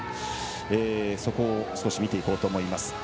そこを見ていこうと思います。